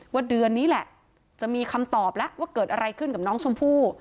เดือนนี้แหละจะมีคำตอบแล้วว่าเกิดอะไรขึ้นกับน้องชมพู่